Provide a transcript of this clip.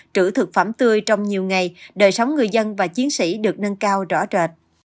trữ thực phẩm tươi trong nhiều ngày đời sống người dân và chiến sĩ được nâng cao rõ rệt